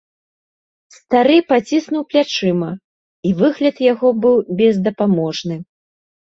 Стары паціснуў плячыма, і выгляд яго быў бездапаможны.